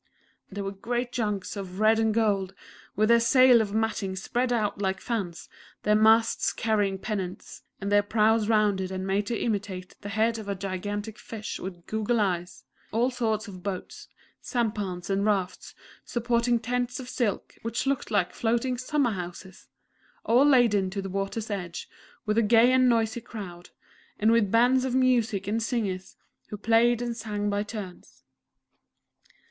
There were great Junks of red and gold, with their sails of matting spread out like fans, their masts carrying pennants, and their prows rounded and made to imitate the head of a gigantic fish with goggle eyes; all sorts of boats, sampans, and rafts, supporting tents of silk which looked like floating summer houses! All laden to the water's edge with a gay and noisy crowd, and with bands of music and singers, who played and sang by turns.